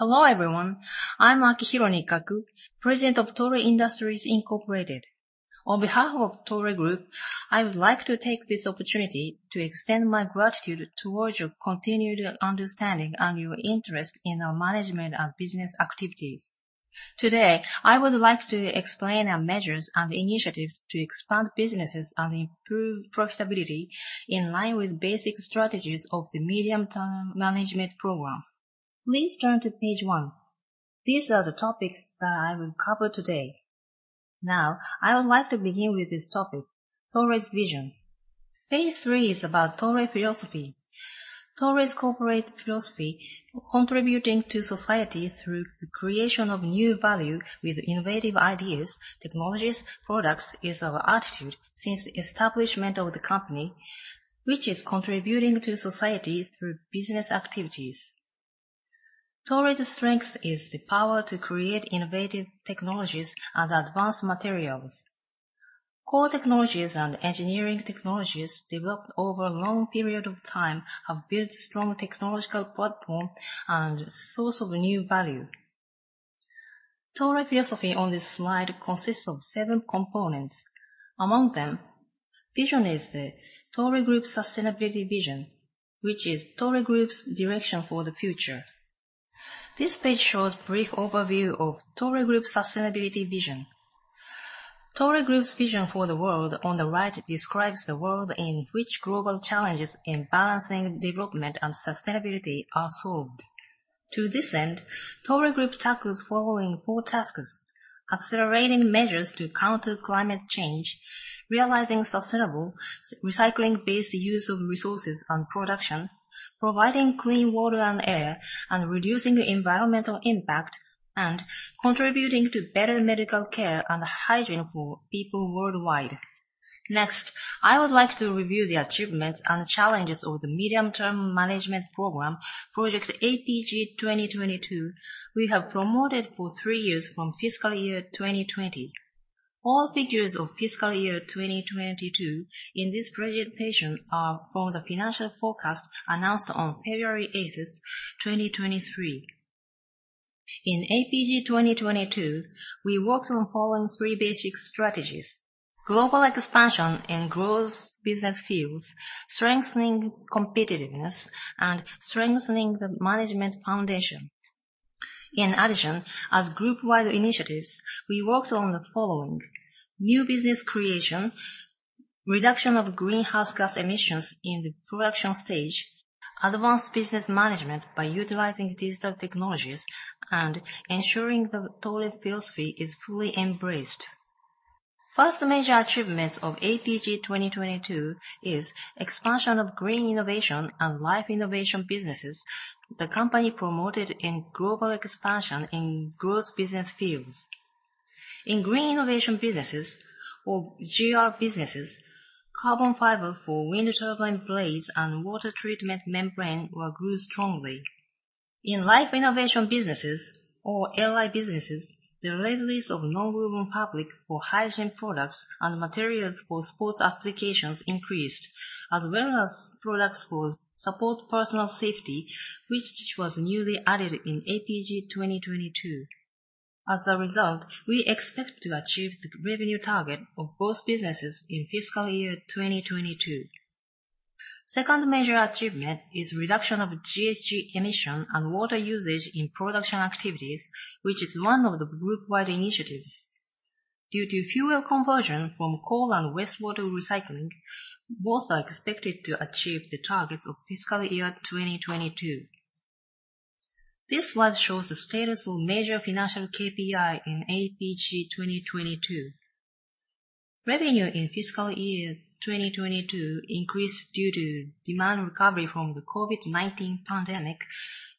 Hello, everyone. I'm Akihiro Nikkaku, President of Toray Industries, Incorporated. On behalf of Toray Group, I would like to take this opportunity to extend my gratitude towards your continued understanding and your interest in our management and business activities. Today, I would like to explain our measures and initiatives to expand businesses and improve profitability in line with basic strategies of the medium-term management program. Please turn to page 1. These are the topics that I will cover today. I would like to begin with this topic, Toray's vision. Page three is about Toray philosophy. Toray's corporate philosophy, contributing to society through the creation of new value with innovative ideas, technologies, products is our attitude since the establishment of the company, which is contributing to society through business activities. Toray's strength is the power to create innovative technologies and advanced materials. Core technologies and engineering technologies developed over a long period of time have built strong technological platform and source of new value. Toray philosophy on this slide consists of seven components. Among them, vision is the Toray Group Sustainability Vision, which is Toray Group's direction for the future. This page shows brief overview of Toray Group Sustainability Vision. Toray Group's vision for the world on the right describes the world in which global challenges in balancing development and sustainability are solved. To this end, Toray Group tackles following four tasks: accelerating measures to counter climate change, realizing sustainable, recycling-based use of resources and production, providing clean water and air, and reducing environmental impact, and contributing to better medical care and hygiene for people worldwide. I would like to review the achievements and challenges of the medium-term management program, Project AP-G 2022, we have promoted for three years from fiscal year 2020. All figures of fiscal year 2022 in this presentation are from the financial forecast announced on February 8th, 2023. In AP-G 2022, we worked on following three basic strategies: global expansion in growth business fields, strengthening competitiveness, and strengthening the management foundation. As group-wide initiatives, we worked on the following: new business creation, reduction of greenhouse gas emissions in the production stage, advanced business management by utilizing digital technologies, and ensuring the Toray philosophy is fully embraced. Major achievements of AP-G 2022 is expansion of green innovation and life innovation businesses the company promoted in global expansion in growth business fields. In green innovation businesses, or GR businesses, carbon fiber for wind turbine blades and water treatment membrane were grew strongly. In Life Innovation businesses, or LI businesses, the release of nonwoven fabric for hygiene products and materials for sports applications increased, as well as products for support personal safety, which was newly added in AP-G 2022. As a result, we expect to achieve the revenue target of both businesses in fiscal year 2022. Second major achievement is reduction of GHG emission and water usage in production activities, which is one of the group-wide initiatives. Due to fuel conversion from coal and wastewater recycling, both are expected to achieve the targets of fiscal year 2022. This slide shows the status of major financial KPI in AP-G 2022. Revenue in fiscal year 2022 increased due to demand recovery from the COVID-19 pandemic,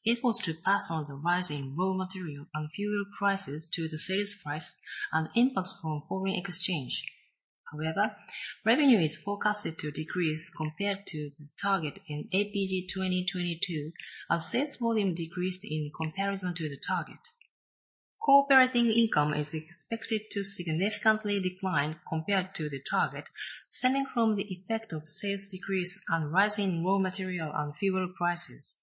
efforts to pass on the rise in raw material and fuel prices to the sales price, and impacts from foreign exchange. Revenue is forecasted to decrease compared to the target in AP-G 2022 as sales volume decreased in comparison to the target. Core operating income is expected to significantly decline compared to the target, stemming from the effect of sales decrease and rise in raw material and fuel prices.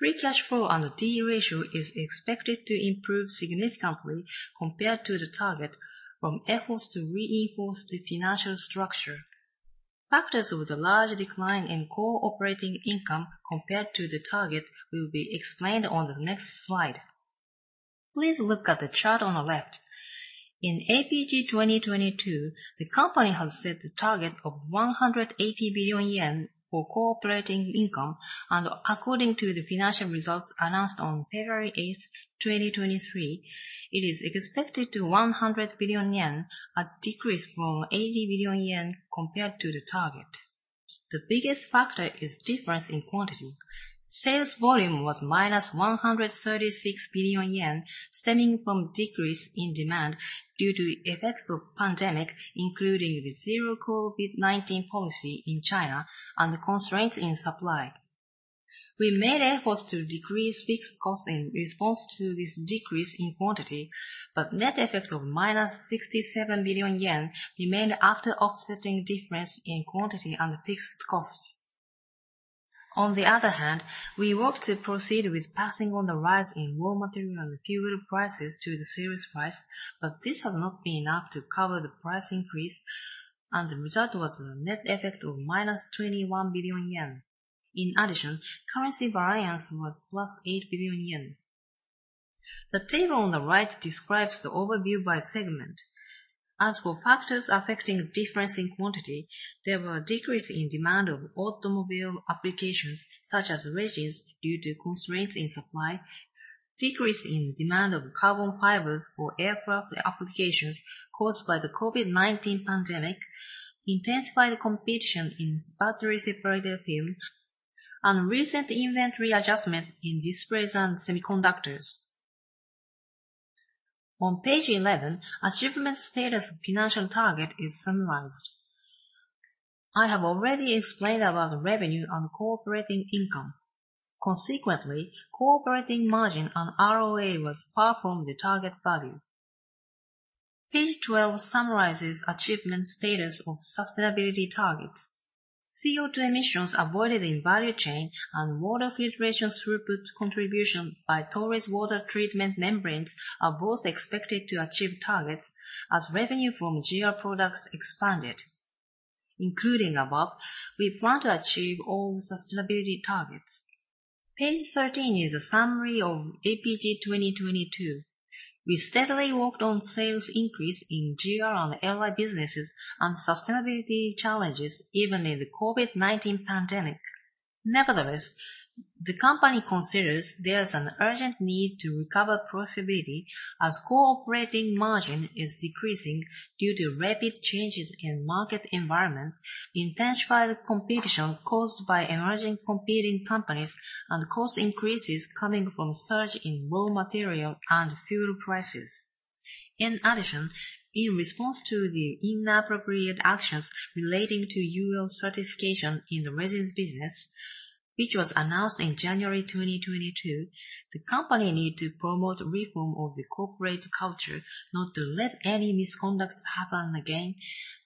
Free cash flow and D/E ratio is expected to improve significantly compared to the target from efforts to reinforce the financial structure. Factors with a large decline in core operating income compared to the target will be explained on the next slide. Please look at the chart on the left. In AP-G 2022, the company has set the target of 180 billion yen for core operating income, and according to the financial results announced on February 8, 2023, it is expected to 100 billion yen, a decrease from 80 billion yen compared to the target. The biggest factor is difference in quantity. Sales volume was -136 billion yen stemming from decrease in demand due to effects of pandemic, including the zero-COVID-19 policy in China and the constraints in supply. We made efforts to decrease fixed cost in response to this decrease in quantity, but net effect of -67 billion yen remained after offsetting difference in quantity and fixed costs. On the other hand, we worked to proceed with passing on the rise in raw material and fuel prices to the sales price, but this has not been enough to cover the price increase, and the result was a net effect of -21 billion yen. In addition, currency variance was +8 billion yen. The table on the right describes the overview by segment. As for factors affecting difference in quantity, there were a decrease in demand of automobile applications such as resins due to constraints in supply, decrease in demand of carbon fibers for aircraft applications caused by the COVID-19 pandemic, intensified competition in battery separator film, recent inventory adjustment in displays and semiconductors. On page 11, achievement status of financial target is summarized. I have already explained about the revenue and operating income. Operating margin and ROA was far from the target value. Page 12 summarizes achievement status of sustainability targets. CO₂ emissions avoided in value chain and water filtration throughput contribution by Toray's water treatment membranes are both expected to achieve targets as revenue from GR products expanded. Including above, we plan to achieve all sustainability targets. Page 13 is a summary of APG 2022. We steadily worked on sales increase in GR and LI businesses and sustainability challenges even in the COVID-19 pandemic. The company considers there's an urgent need to recover profitability as core operating margin is decreasing due to rapid changes in market environment, intensified competition caused by emerging competing companies, and cost increases coming from surge in raw material and fuel prices. In response to the inappropriate actions relating to UL certification in the resins business, which was announced in January 2022, the company need to promote reform of the corporate culture not to let any misconducts happen again,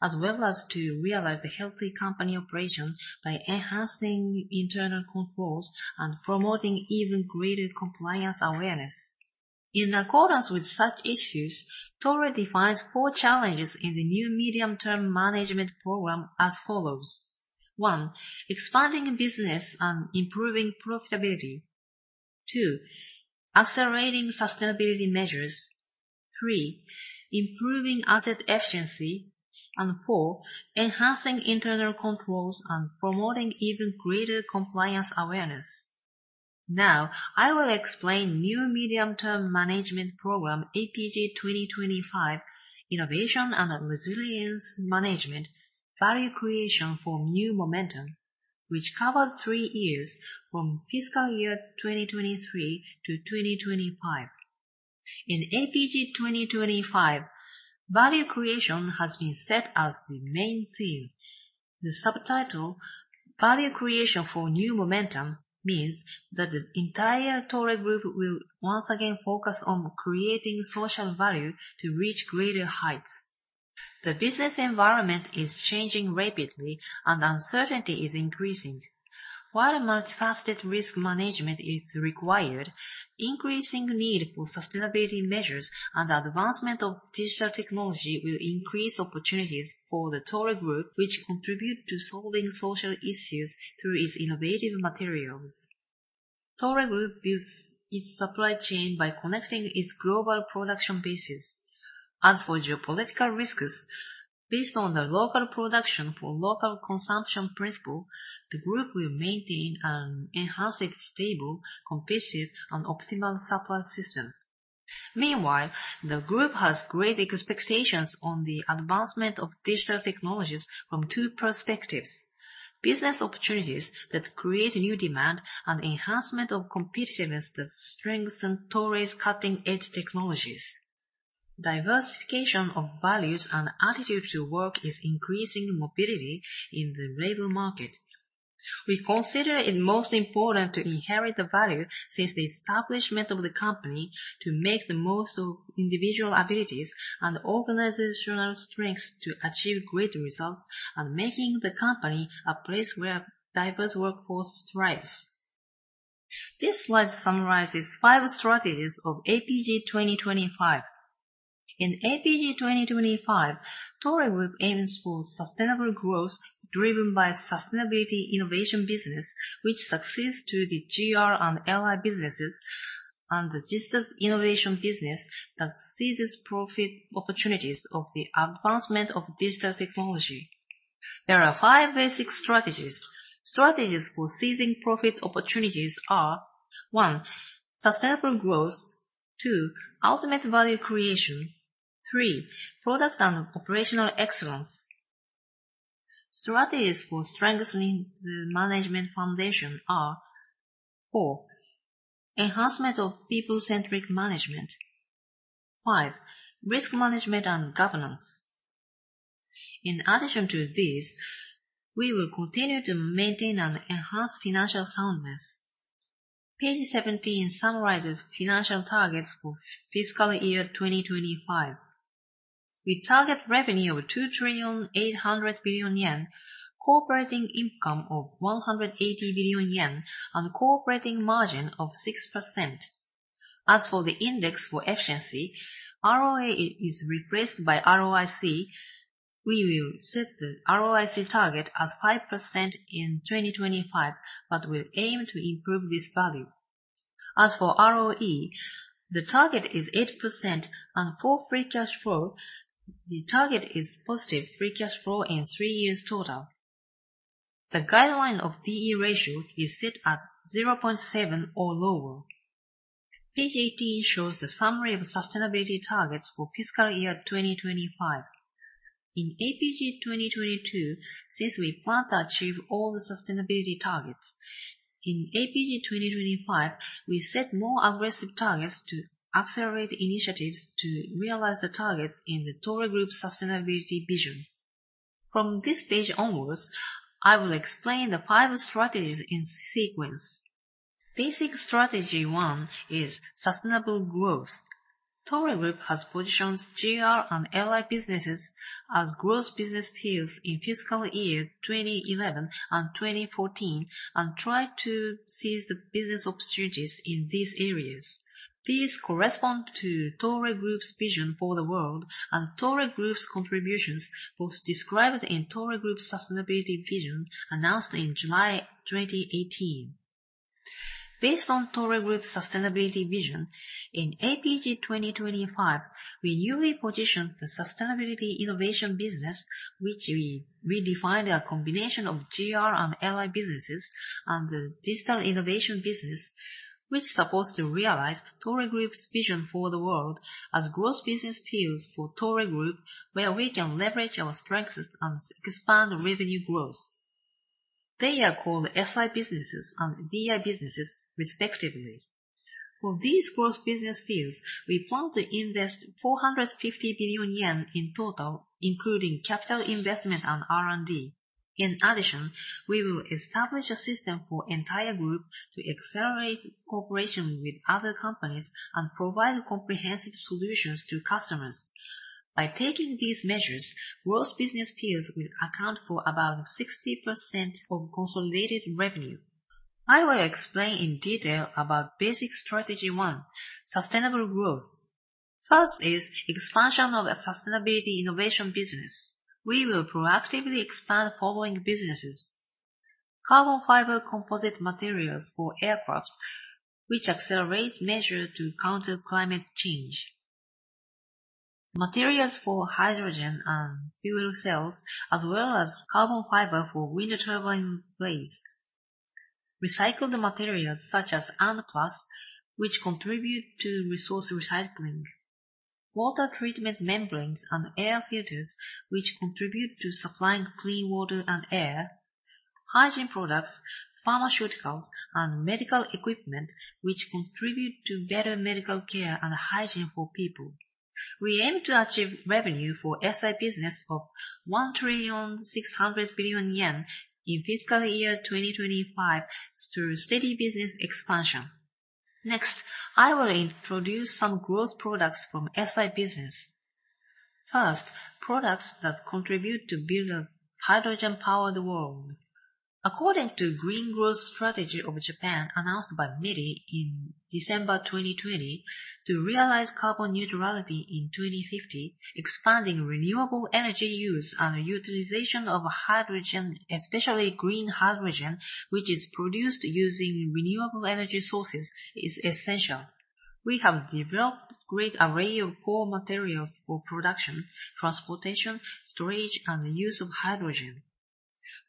as well as to realize a healthy company operation by enhancing internal controls and promoting even greater compliance awareness. In accordance with such issues, Toray defines four challenges in the new medium-term management program as follows. One, expanding business and improving profitability. Two, accelerating sustainability measures. Three, improving asset efficiency. Four, enhancing internal controls and promoting even greater compliance awareness. Now, I will explain new medium-term management program AP-G 2025, Innovation and Resilience Management: Value Creation for New Momentum, which covers three years from fiscal year 2023 to 2025. In AP-G 2025, value creation has been set as the main theme. The subtitle, Value Creation for New Momentum, means that the entire Toray Group will once again focus on creating social value to reach greater heights. The business environment is changing rapidly, and uncertainty is increasing. While a multifaceted risk management is required, increasing need for sustainability measures and advancement of digital technology will increase opportunities for the Toray Group, which contribute to solving social issues through its innovative materials. Toray Group builds its supply chain by connecting its global production bases. As for geopolitical risks, based on the local production for local consumption principle, the group will maintain and enhance its stable, competitive, and optimal supply system. Meanwhile, the group has great expectations on the advancement of digital technologies from two perspectives: business opportunities that create new demand and enhancement of competitiveness that strengthen Toray's cutting-edge technologies. Diversification of values and attitude to work is increasing mobility in the labor market. We consider it most important to inherit the value since the establishment of the company to make the most of individual abilities and organizational strengths to achieve great results and making the company a place where diverse workforce thrives. This slide summarizes five strategies of AP-G 2025. In Project AP-G 2025, Toray Group aims for sustainable growth driven by sustainability innovation business, which succeeds to the GR and LI businesses, and the digital innovation business that seizes profit opportunities of the advancement of digital technology. There are five basic strategies. Strategies for seizing profit opportunities are, one, sustainable growth, two, ultimate value creation, three, product and operational excellence. Strategies for strengthening the management foundation are, four, enhancement of people-centric management, five, risk management and governance. In addition to these, we will continue to maintain and enhance financial soundness. Page 17 summarizes financial targets for fiscal year 2025. We target revenue of 2,800 billion yen, core operating income of 180 billion yen, and core operating margin of 6%. As for the index for efficiency, ROA is replaced by ROIC. We will set the ROIC target as 5% in 2025, but we'll aim to improve this value. As for ROE, the target is 8%. For free cash flow, the target is positive free cash flow in three years total. The guideline of P/B ratio is set at 0.7 or lower. Page 18 shows the summary of sustainability targets for fiscal year 2025. In AP-G 2022, since we plan to achieve all the sustainability targets, in AP-G 2025, we set more aggressive targets to accelerate initiatives to realize the targets in the Toray Group Sustainability Vision. From this page onwards, I will explain the five strategies in sequence. Basic strategy one is sustainable growth. Toray Group has positioned GR and LI businesses as growth business fields in fiscal year 2011 and 2014 and tried to seize the business opportunities in these areas. These correspond to Toray Group's vision for the world and Toray Group's contributions, both described in Toray Group Sustainability Vision announced in July 2018. Based on Toray Group Sustainability Vision, in Project AP-G 2025, we newly positioned the sustainability innovation business, which we defined a combination of GR and LI businesses, and the digital innovation business, which supports to realize Toray Group's vision for the world as growth business fields for Toray Group, where we can leverage our strengths and expand revenue growth. They are called SI businesses and DI businesses, respectively. For these growth business fields, we plan to invest 450 billion yen in total, including capital investment and R&D. We will establish a system for Toray Group to accelerate cooperation with other companies and provide comprehensive solutions to customers. By taking these measures, growth business fields will account for about 60% of consolidated revenue. I will explain in detail about basic strategy one: sustainable growth. First is expansion of a sustainability innovation business. We will proactively expand following businesses. Carbon fiber composite materials for aircraft, which accelerates measure to counter climate change. Materials for hydrogen and fuel cells, as well as carbon fiber for wind turbine blades. Recycled materials such as &+, which contribute to resource recycling. Water treatment membranes and air filters, which contribute to supplying clean water and air. Hygiene products, pharmaceuticals, and medical equipment, which contribute to better medical care and hygiene for people. We aim to achieve revenue for SI business of 1,600 billion yen in fiscal year 2025 through steady business expansion. I will introduce some growth products from SI business. Products that contribute to build a hydrogen-powered world. According to Green Growth Strategy of Japan announced by METI in December 2020, to realize carbon neutrality in 2050, expanding renewable energy use and utilization of hydrogen, especially green hydrogen, which is produced using renewable energy sources, is essential. We have developed great array of core materials for production, transportation, storage, and use of hydrogen.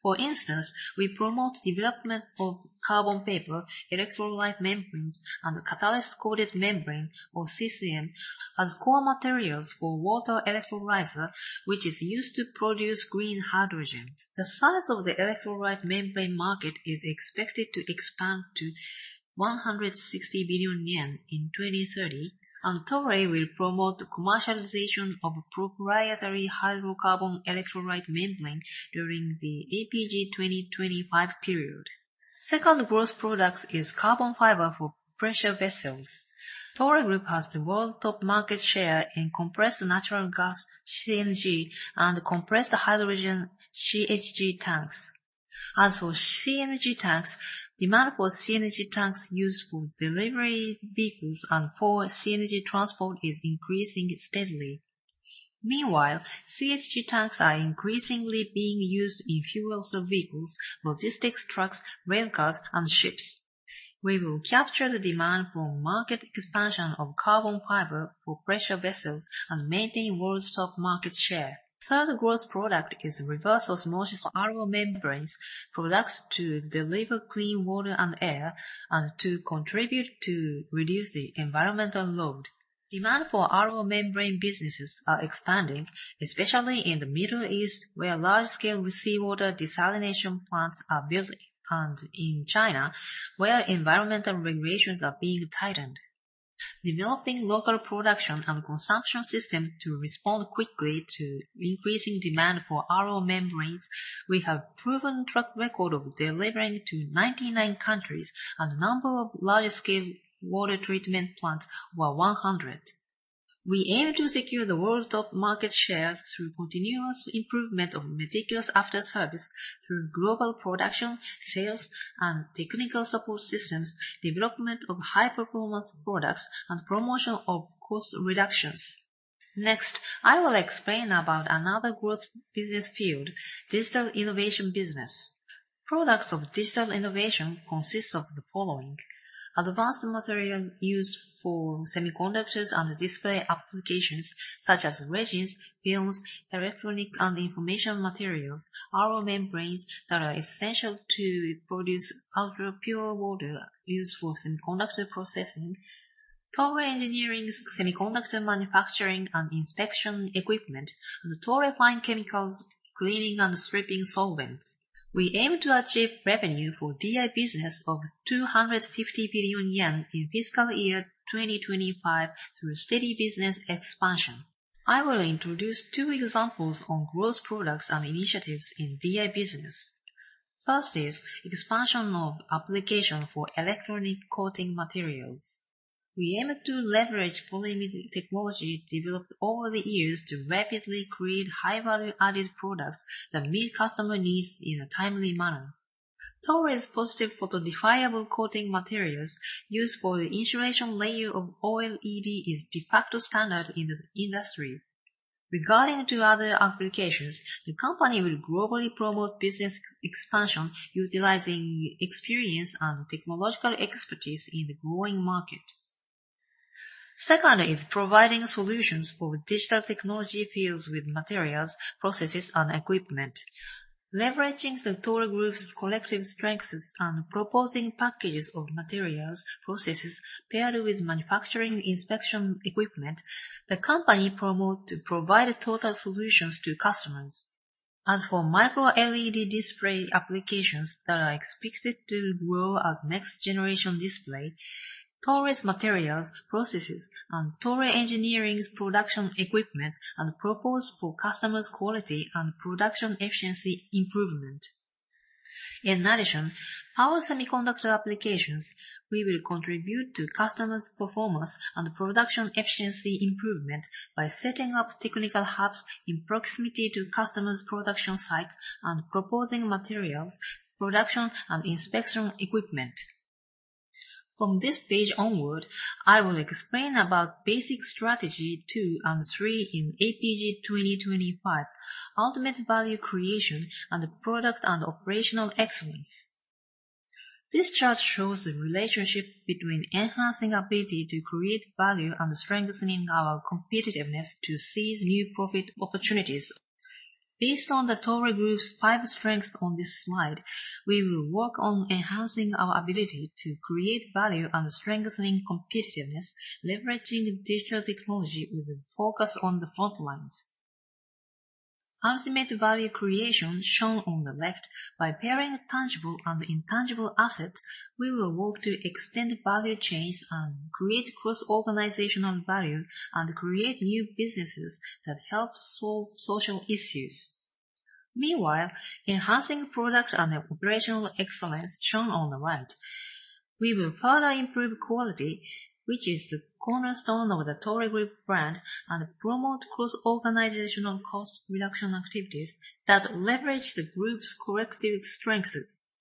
For instance, we promote development of Carbon Paper, electrolyte membranes, and catalyst-coated membrane, or CCM, as core materials for water electrolyzer, which is used to produce green hydrogen. The size of the electrolyte membrane market is expected to expand to 160 billion yen in 2030. Toray will promote commercialization of proprietary hydrocarbon electrolyte membrane during the APG 2025 period. Second growth product is carbon fiber for pressure vessels. Toray Group has the world top market share in compressed natural gas, CNG, and compressed hydrogen, CGH2, tanks. As for CNG tanks, demand for CNG tanks used for delivery vehicles and for CNG transport is increasing steadily. Meanwhile, CGH2 tanks are increasingly being used in fuel cell vehicles, logistics trucks, rail cars, and ships. We will capture the demand for market expansion of carbon fiber for pressure vessels and maintain world's top market share. Third growth product is reverse osmosis, RO, membranes, products to deliver clean water and air and to contribute to reduce the environmental load. Demand for RO membrane businesses are expanding, especially in the Middle East, where large-scale seawater desalination plants are built, and in China, where environmental regulations are being tightened. Developing local production and consumption system to respond quickly to increasing demand for RO membranes, we have proven track record of delivering to 99 countries, and number of large-scale water treatment plants were 100. We aim to secure the world's top market shares through continuous improvement of meticulous after-service through global production, sales, and technical support systems, development of high-performance products, and promotion of cost reductions. Next, I will explain about another growth business field, digital innovation business. Products of digital innovation consists of the following: advanced material used for semiconductors and display applications such as resins, films, electronic and information materials, RO membranes that are essential to produce ultra pure water used for semiconductor processing, Toray Engineering's semiconductor manufacturing and inspection equipment, and Toray Fine Chemicals cleaning and stripping solvents. We aim to achieve revenue for DI business of 250 billion yen in fiscal year 2025 through steady business expansion. I will introduce two examples on growth products and initiatives in DI business. First is expansion of application for electronic coating materials. We aim to leverage polyimide technology developed over the years to rapidly create high value added products that meet customer needs in a timely manner. Toray's Positive Photo Definable Coating Materials used for the insulation layer of OLED is de facto standard in this industry. Regarding to other applications, the company will globally promote business expansion utilizing experience and technological expertise in the growing market. Second is providing solutions for digital technology fields with materials, processes, and equipment. Leveraging the Toray Group's collective strengths and proposing packages of materials, processes paired with manufacturing inspection equipment, the company promote to provide total solutions to customers. As for micro LED display applications that are expected to grow as next generation display, Toray's materials, processes, and Toray Engineering's production equipment are proposed for customers' quality and production efficiency improvement. In addition, our semiconductor applications, we will contribute to customers' performance and production efficiency improvement by setting up technical hubs in proximity to customers' production sites and proposing materials, production, and inspection equipment. From this page onward, I will explain about basic strategy two and three in AP-G 2025, Ultimate Value Creation and Product and Operational Excellence. This chart shows the relationship between enhancing ability to create value and strengthening our competitiveness to seize new profit opportunities. Based on the Toray Group's five strengths on this slide, we will work on enhancing our ability to create value and strengthening competitiveness, leveraging digital technology with a focus on the front lines. Ultimate value creation, shown on the left, by pairing tangible and intangible assets, we will work to extend value chains and create cross-organizational value and create new businesses that help solve social issues. Meanwhile, enhancing product and operational excellence, shown on the right, we will further improve quality, which is the cornerstone of the Toray Group brand, and promote cross-organizational cost reduction activities that leverage the group's collective strengths.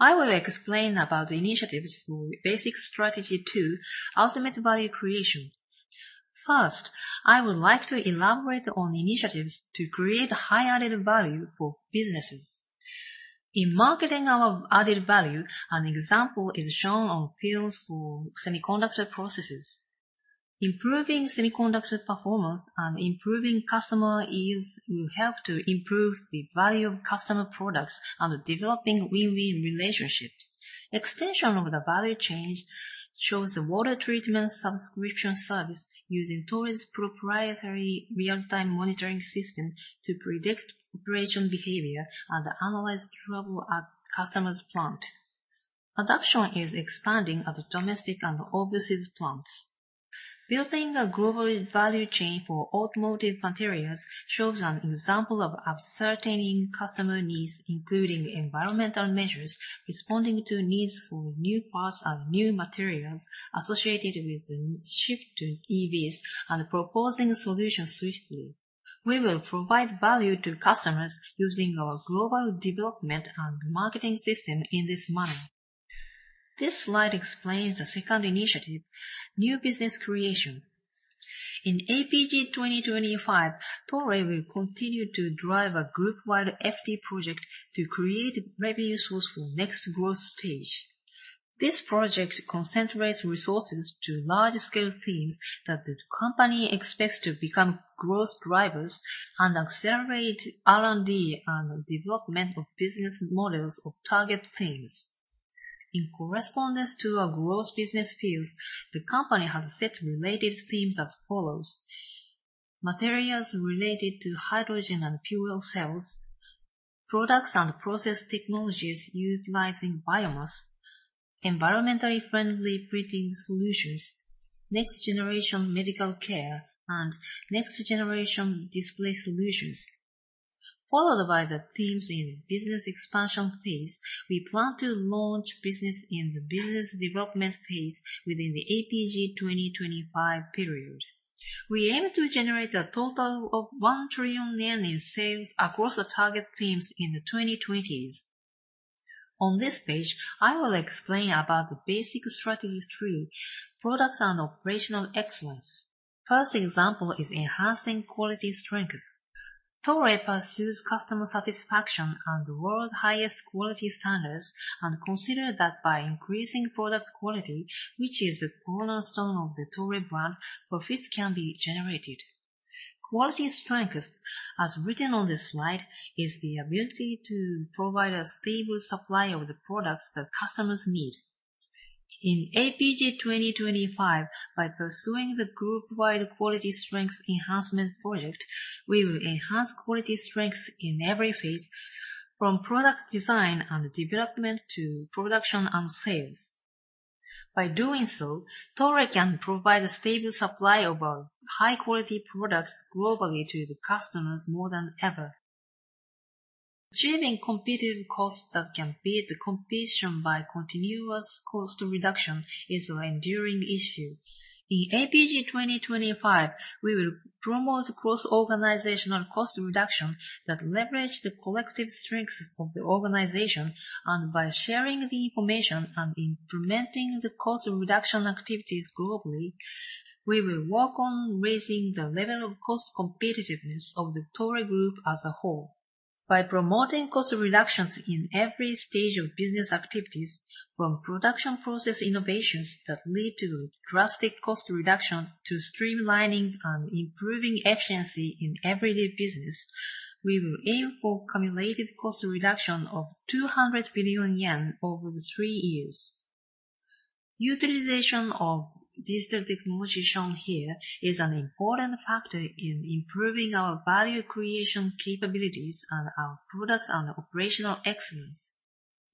I will explain about initiatives for basic strategy two, ultimate value creation. First, I would like to elaborate on initiatives to create high added value for businesses. In marketing our added value, an example is shown on fields for semiconductor processes. Improving semiconductor performance and improving customer yields will help to improve the value of customer products and developing win-win relationships. Extension of the value chains shows the water treatment subscription service using Toray's proprietary real-time monitoring system to predict operation behavior and analyze trouble at customer's plant. Adoption is expanding at domestic and overseas plants. Building a global value chain for automotive materials shows an example of ascertaining customer needs, including environmental measures, responding to needs for new parts and new materials associated with the shift to EVs, and proposing solutions swiftly. We will provide value to customers using our global development and marketing system in this manner. This slide explains the second initiative, new business creation. In Project AP-G 2025, Toray will continue to drive a group-wide FD project to create revenue source for next growth stage. This project concentrates resources to large-scale themes that the company expects to become growth drivers and accelerate R&D and development of business models of target themes. In correspondence to our growth business fields, the company has set related themes as follows: materials related to hydrogen and fuel cells, products and process technologies utilizing biomass, environmentally friendly printing solutions, next-generation medical care, and next-generation display solutions. Followed by the themes in business expansion phase, we plan to launch business in the business development phase within the Project AP-G 2025 period. We aim to generate a total of 1 trillion yen in sales across the target themes in the 2020s. On this page, I will explain about the basic strategy through products and operational excellence. First example is enhancing quality strength. Toray pursues customer satisfaction and the world's highest quality standards, and consider that by increasing product quality, which is the cornerstone of the Toray brand, profits can be generated. Quality strength, as written on this slide, is the ability to provide a stable supply of the products that customers need. In Project AP-G 2025, by pursuing the group-wide quality strength enhancement project, we will enhance quality strength in every phase, from product design and development to production and sales. By doing so, Toray can provide a stable supply of our high-quality products globally to the customers more than ever. Achieving competitive cost that can beat the competition by continuous cost reduction is an enduring issue. In Project AP-G 2025, we will promote cross-organizational cost reduction that leverage the collective strengths of the organization, and by sharing the information and implementing the cost reduction activities globally, we will work on raising the level of cost competitiveness of the Toray Group as a whole. By promoting cost reductions in every stage of business activities, from production process innovations that lead to drastic cost reduction, to streamlining and improving efficiency in everyday business, we will aim for cumulative cost reduction of 200 billion yen over the three years. Utilization of digital technology shown here is an important factor in improving our value creation capabilities and our products and operational excellence.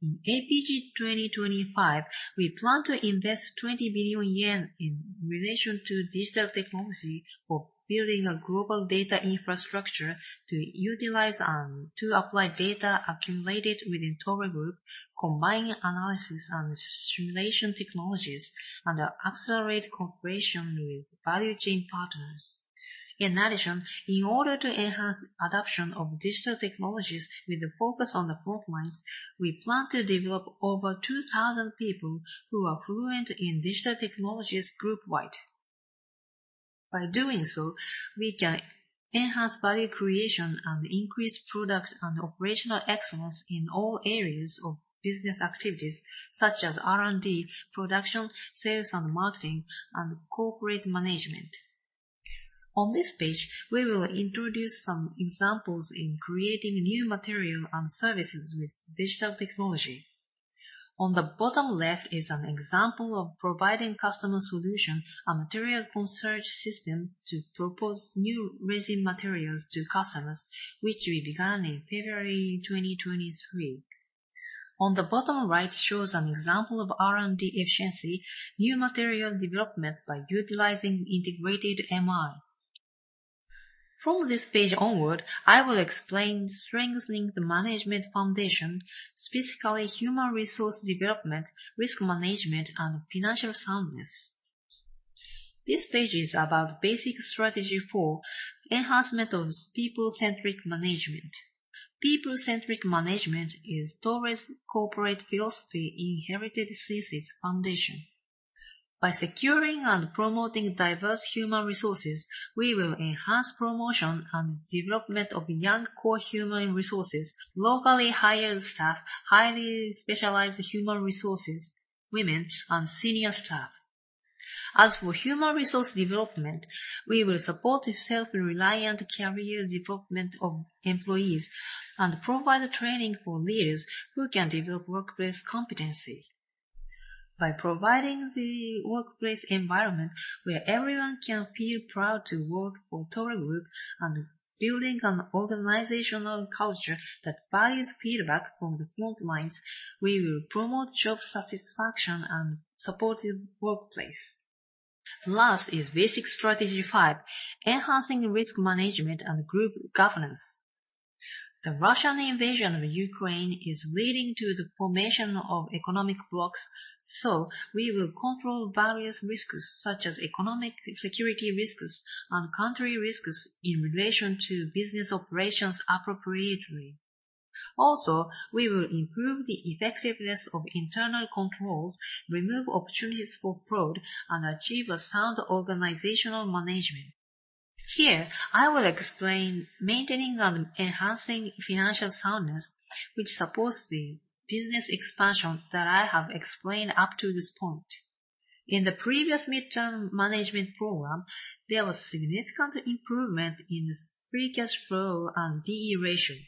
In Project AP-G 2025, we plan to invest 20 billion yen in relation to digital technology for building a global data infrastructure to utilize and to apply data accumulated within Toray Group, combine analysis and simulation technologies, and accelerate cooperation with value chain partners. In order to enhance adoption of digital technologies with a focus on the front lines, we plan to develop over 2,000 people who are fluent in digital technologies group-wide. By doing so, we can enhance value creation and increase product and operational excellence in all areas of business activities, such as R&D, production, sales and marketing, and corporate management. We will introduce some examples in creating new material and services with digital technology. On the bottom left is an example of providing customer solution and material concierge system to propose new resin materials to customers, which we began in February 2023. On the bottom right shows an example of R&D efficiency, new material development by utilizing integrated MI. From this page onward, I will explain strengthening the management foundation, specifically human resource development, risk management, and financial soundness. This page is about basic strategy for enhancement of people-centric management. People-centric management is Toray's corporate philosophy inherited since its foundation. By securing and promoting diverse human resources, we will enhance promotion and development of young core human resources, locally hired staff, highly specialized human resources, women, and senior staff. As for human resource development, we will support self-reliant career development of employees and provide training for leaders who can develop workplace competency. By providing the workplace environment where everyone can feel proud to work for Toray Group and building an organizational culture that values feedback from the front lines, we will promote job satisfaction and supportive workplace. Last is basic strategy five: enhancing risk management and group governance. The Russian invasion of Ukraine is leading to the formation of economic blocks, we will control various risks, such as economic security risks and country risks, in relation to business operations appropriately. We will improve the effectiveness of internal controls, remove opportunities for fraud, and achieve a sound organizational management. Here, I will explain maintaining and enhancing financial soundness, which supports the business expansion that I have explained up to this point. In the previous midterm management program, there was significant improvement in the free cash flow and D/E ratio.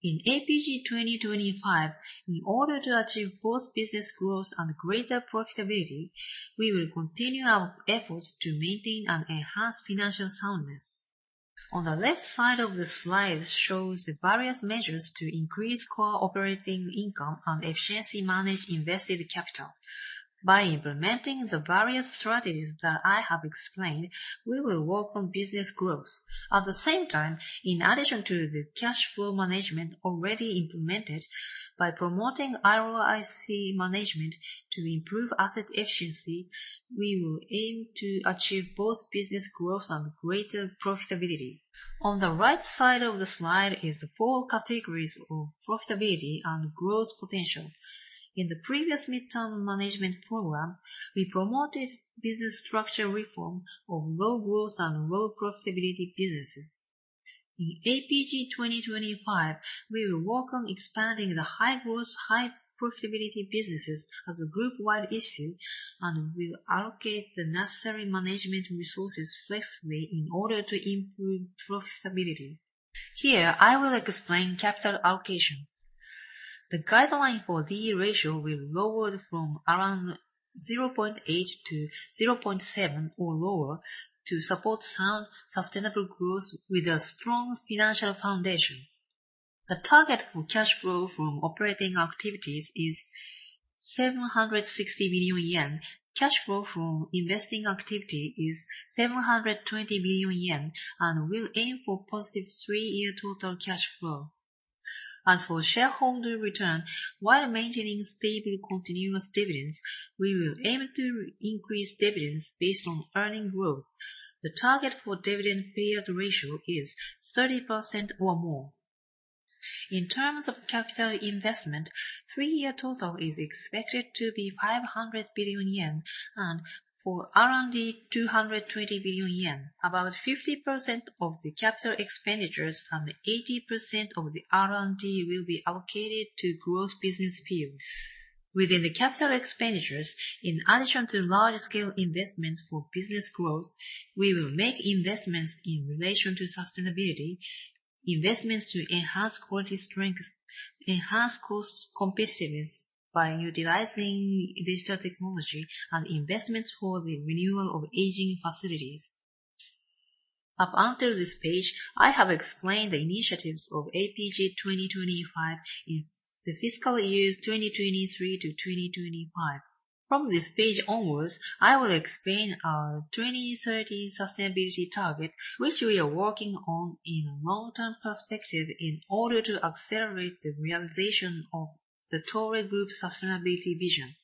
In Project AP-G 2025, in order to achieve both business growth and greater profitability, we will continue our efforts to maintain and enhance financial soundness. On the left side of the slide shows the various measures to increase core operating income and efficiency manage invested capital. By implementing the various strategies that I have explained, we will work on business growth. At the same time, in addition to the cash flow management already implemented, by promoting ROIC management to improve asset efficiency, we will aim to achieve both business growth and greater profitability. On the right side of the slide is the four categories of profitability and growth potential. In the previous medium-term management program, we promoted business structure reform of low growth and low profitability businesses. In AP-G 2025, we will work on expanding the high growth, high profitability businesses as a group-wide issue and will allocate the necessary management resources flexibly in order to improve profitability. Here, I will explain capital allocation. The guideline for D/E ratio will lowered from around 0.8 to 0.7 or lower to support sound, sustainable growth with a strong financial foundation. The target for cash flow from operating activities is 760 billion yen. Cash flow from investing activity is 720 billion yen and will aim for positive three-year total cash flow. As for shareholder return, while maintaining stable continuous dividends, we will aim to increase dividends based on earnings growth. The target for dividend payout ratio is 30% or more. In terms of capital investment, three-year total is expected to be 500 billion yen and for R&D, 220 billion yen. About 50% of the capital expenditures and 80% of the R&D will be allocated to growth business fields. Within the capital expenditures, in addition to large scale investments for business growth, we will make investments in relation to sustainability, investments to enhance quality strengths, enhance cost competitiveness by utilizing digital technology and investments for the renewal of aging facilities. Up until this page, I have explained the initiatives of Project AP-G 2025 in the fiscal years 2023-2025. From this page onwards, I will explain our 2030 sustainability target, which we are working on in a long-term perspective in order to accelerate the realization of the Toray Group Sustainability Vision.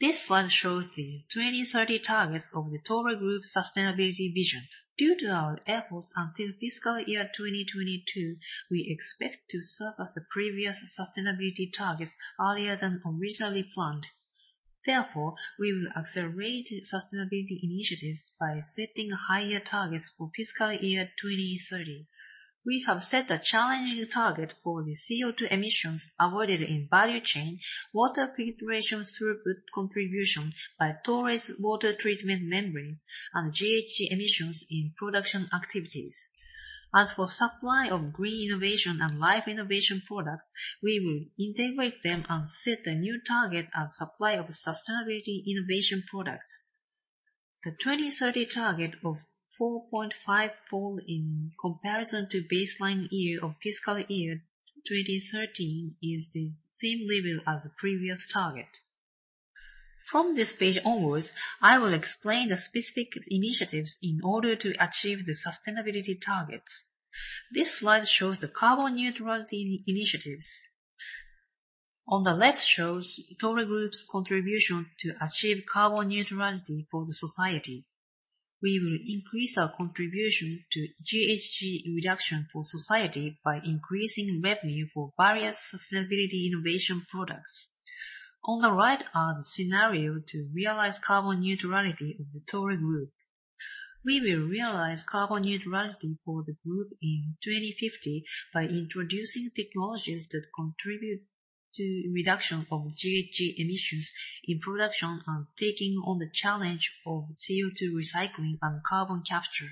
This slide shows the 2030 targets of the Toray Group Sustainability Vision. Due to our efforts until fiscal year 2022, we expect to surpass the previous sustainability targets earlier than originally planned. We will accelerate sustainability initiatives by setting higher targets for fiscal year 2030. We have set a challenging target for the CO₂ emissions avoided in value chain, water filtration throughput contributions by Toray's water treatment membranes, and GHG emissions in production activities. As for supply of green innovation and life innovation products, we will integrate them and set a new target as supply of sustainability innovation products. The 2030 target of 4.5 fold in comparison to baseline year of fiscal year 2013 is the same level as the previous target. From this page onwards, I will explain the specific initiatives in order to achieve the sustainability targets. This slide shows the carbon neutrality initiatives. On the left shows Toray Group's contribution to achieve carbon neutrality for the society. We will increase our contribution to GHG reduction for society by increasing revenue for various sustainability innovation products. On the right are the scenario to realize carbon neutrality of the Toray Group. We will realize carbon neutrality for the group in 2050 by introducing technologies that contribute to reduction of GHG emissions in production and taking on the challenge of CO₂ recycling and carbon capture.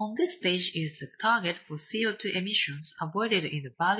On this page is the target for CO₂ emissions avoided in the value-